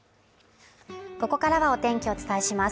ここからはお天気をお伝えします。